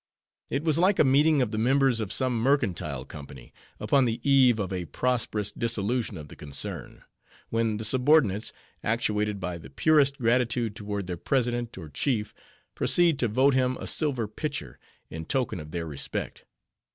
It was like a meeting of the members of some mercantile company, upon the eve of a prosperous dissolution of the concern; when the subordinates, actuated by the purest gratitude toward their president, or chief, proceed to vote him a silver pitcher, in token of their respect.